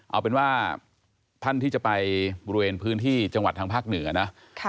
เอาเป็นว่าท่านที่จะไปบริเวณพื้นที่จังหวัดทางภาคเหนือนะ